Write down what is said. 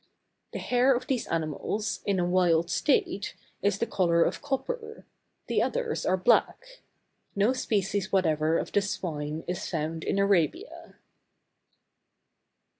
The hair of these animals, in a wild state, is the color of copper, the others are black. No species whatever of the swine is found in Arabia.